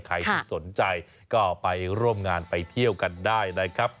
ใครที่สนใจก็ไปร่วมงานไปเที่ยวกันได้นะครับ